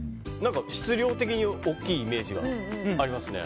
質量的に大きいイメージがありますね。